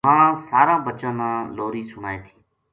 ماں ساراں بچاں نا لوری سنائے تھی: